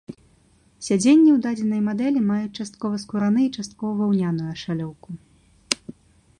Сядзенні ў дадзенай мадэлі маюць часткова скураны і часткова ваўняную ашалёўку.